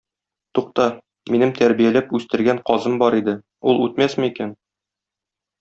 Тукта, минем тәрбияләп үстергән казым бар иде, ул үтмәсме икән?